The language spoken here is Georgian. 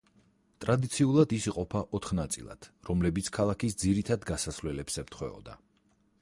ტრადიციულად ის იყოფა ოთხ ნაწილად, რომლებიც ქალაქის ძირითად გასასვლელებს ემთხვეოდა.